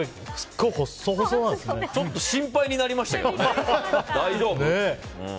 ちょっと心配になりましたけどね。